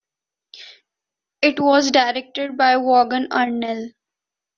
It was directed by Vaughan Arnell.